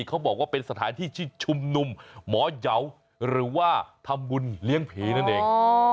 เขาบอกว่าเป็นสถานที่ที่ชุมนุมหมอยาวหรือว่าทำบุญเลี้ยงผีนั่นเอง